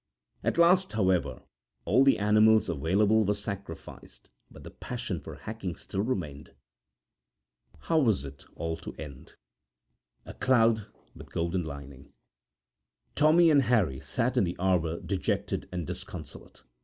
At last, however, all the animals available were sacrificed; but the passion for hacking still remained. How was it all to end? A Cloud with Golden Lining[edit] Tommy and Harry sat in the arbour dejected and disconsolate.